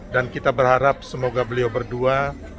dan kita berharap semoga beliau berdua